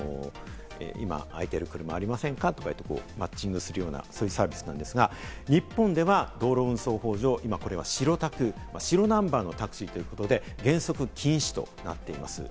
今、あいてる車ありませんか？とか言って、マッチングするような、そういうサービスなんですが、日本では道路運送法上、白タク、白ナンバーのタクシーということで、原則禁止となっています。